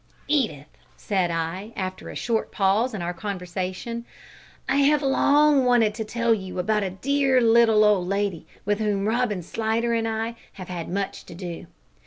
"Edith," said I after a short pause in our conversation, "I have long wanted to tell you about a dear little old lady with whom Robin Slidder and I have had much to do.